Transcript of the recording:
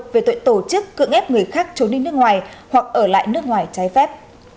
về tội tổ chức cưỡng ép người khác trốn đi nước ngoài hoặc ở lại nước ngoài trái phép